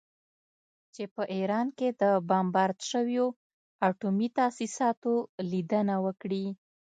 چې په ایران کې د بمبارد شویو اټومي تاسیساتو لیدنه وکړي